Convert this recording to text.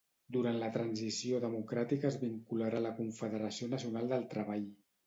Durant la Transició democràtica es vincularà a la Confederació Nacional del Treball.